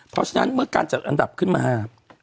เพราะฉะนั้นเมื่อการจัดอันดับขึ้นมา